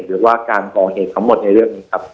หรือว่าการก่อเหตุทั้งหมดในเรื่องนี้ครับ